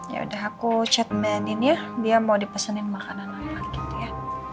ya udah aku chatmanin ya dia mau dipesenin makanan apa gitu ya